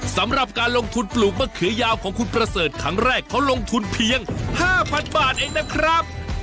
สำหรับการลงทุนปลูกมะเขือยาวของคุณประเสริฐครั้งแรกเขาลงทุนเพียง๕๐๐บาทเองนะครับ